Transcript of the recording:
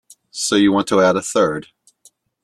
So you want to add a third?